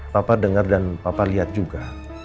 papa dengar dan papa lihat juga